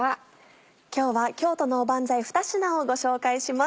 今日は京都のおばんざい二品をご紹介します。